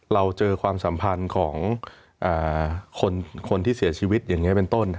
เราเจอความสัมพันธ์ของคนที่เสียชีวิตอย่างนี้เป็นต้น